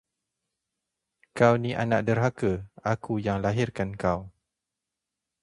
Kau ni anak derhaka, aku yang lahirkan kau.